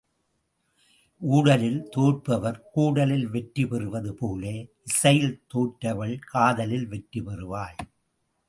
ஊடலில் தோற்பவர் கூடலில் வெற்றி பெறுவது போல இசையில் தோற்றவள் காதலில் வெற்றி பெற்றாள்.